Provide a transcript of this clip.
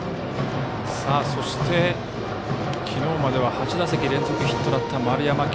そして、きのうまでは８打席連続ヒットだった丸山。